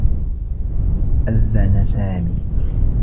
أذّن سامي.